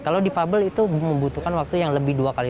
kalau difabel itu membutuhkan waktu yang lebih dua kali